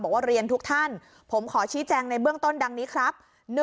บอกว่าเรียนทุกท่านผมขอชี้แจงในเบื้องต้นดังนี้ครับ